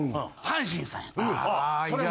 阪神さんやった。